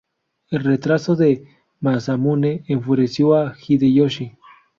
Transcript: El retraso de Masamune enfureció a Hideyoshi.